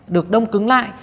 được đông cứng lại